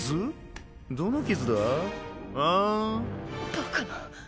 バカな。